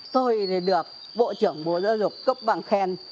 tôi được bộ trưởng bộ giáo dục cấp bằng khen